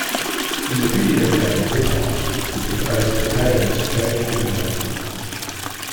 In the video game "Ripper", he portrays protagonist Jake Quinlan.